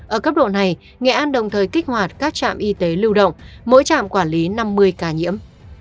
ở cấp độ này nghệ an đồng thời kích hoạt các trạm y tế lưu động mỗi trạm quản lý năm mươi ca nhiễm